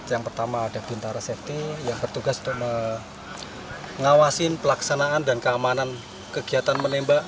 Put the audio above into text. yang pertama ada bintara safety yang bertugas untuk mengawasin pelaksanaan dan keamanan kegiatan menembak